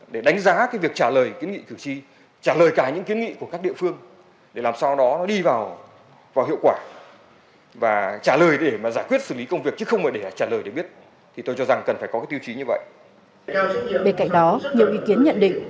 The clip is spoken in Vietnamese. bên cạnh đó nhiều ý kiến nhận định